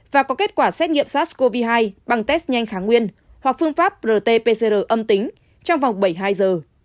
và có kết quả xét nghiệm sars cov hai bằng test nhanh kháng nguyên hoặc phương pháp rt pcr âm tính trong vòng bảy mươi hai giờ